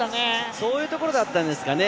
そういうところがあったんですかね。